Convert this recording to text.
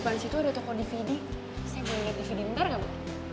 bu di situ ada toko dvd saya beli dvd ntar gak bu